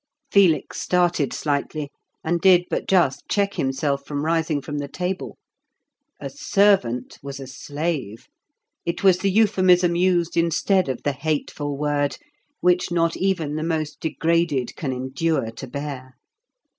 Felix started slightly, and did but just check himself from rising from the table. A "servant" was a slave; it was the euphemism used instead of the hateful word, which not even the most degraded can endure to bear.